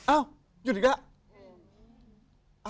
อ้าวหยุดอีกแล้ว